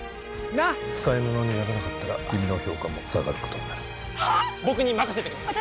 なっ使いものにならなかったら君の評価も下がることになる僕に任せてください